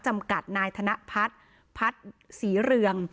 จำกัดนายธนพัฒน์พัฒน์ศรีเรือง